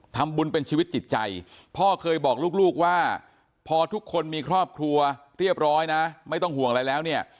ทำบุญเป็นชีวิตจิตใจพ่อเคยบอกลูกว่าพอทุกคนมีครอบครัวเรียบร้อยนะไม่ต้องห่วงอะไรแล้วเนี่ย